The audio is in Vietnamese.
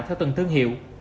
theo từng thương hiệu